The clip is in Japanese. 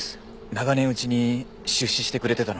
長年うちに出資してくれてたのに。